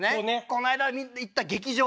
この間行った劇場。